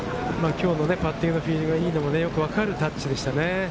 今日のパッティングのフィーリングがいいのもよくわかるタッチでしたね。